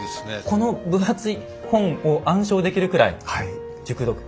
この分厚い本を暗唱できるくらい熟読。